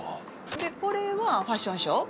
でこれはファッションショー。